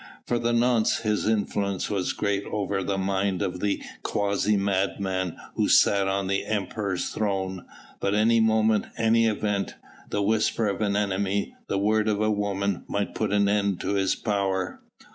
For the nonce his influence was great over the mind of the quasi madman who sat on the Empire's throne, but any moment, any event, the whisper of an enemy, the word of a woman, might put an end to his power.